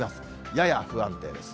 やや不安定です。